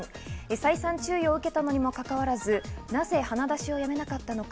再三注意を受けたのにもかかわらず、なぜ鼻出しをやめなかったのか。